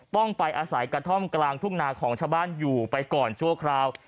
ต้องไปอาศัยกระท่อมกลางทุ่งนาของชาวบ้านอยู่ไปก่อนชั่วคราว